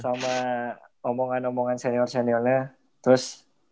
sama omongan omongan senior seniornya terus